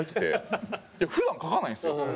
普段かかないんですよ。